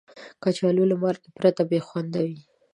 کچالو له مالګې پرته بې خوند وي